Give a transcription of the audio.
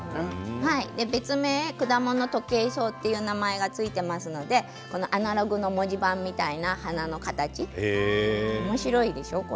別名クダモノトケイソウという名前が付いていますのでアナログの文字盤みたいな花の形おもしろいでしょう？